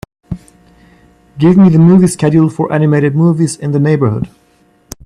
Give me the movie schedule for animated movies in the neighbourhood